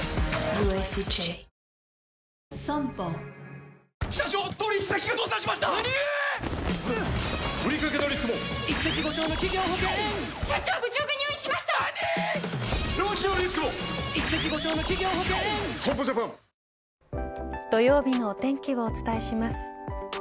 損保ジャパン土曜日のお天気をお伝えします。